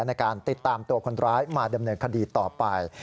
ในการติดตามตัวคนร้ายมาดำเนินคดีต่อไป